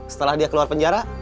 setelah dia keluar penjara